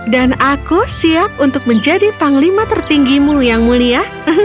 dan aku siap untuk menjadi panglima tertinggimu yang mulia